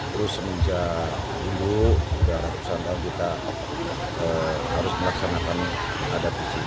terus semenjak dulu sudah ratusan tahun kita harus melaksanakan adat di sini